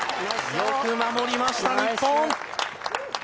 よく守りました、日本。